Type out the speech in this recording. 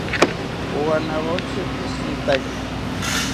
Owanawontzi poshinitaki